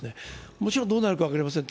もちろんどうなるか分かりません。